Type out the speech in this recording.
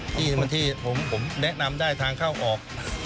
ที่มันที่ผมแนะนำได้ทางเข้าออก